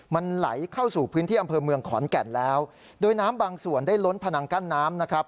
มันไหลเข้าสู่พื้นที่อำเภอเมืองขอนแก่นแล้วโดยน้ำบางส่วนได้ล้นพนังกั้นน้ำนะครับ